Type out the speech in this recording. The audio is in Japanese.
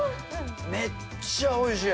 めっちゃおいしい。